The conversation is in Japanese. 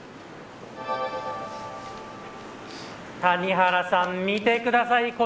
谷原さん、見てください。